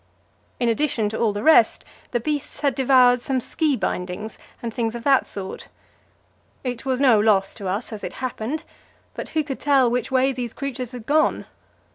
In addition to all the rest, the beasts had devoured some ski bindings and things of that sort. It was no loss to us, as it happened; but who could tell which way these creatures had gone?